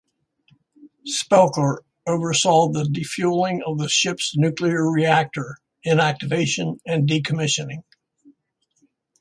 Spelker oversaw the defueling of the ship's nuclear reactor, inactivation, and decommissioning.